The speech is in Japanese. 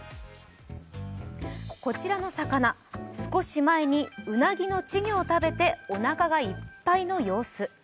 こちらの魚、少し前にうなぎの稚魚を食べて、おなかがいっぱいの様子。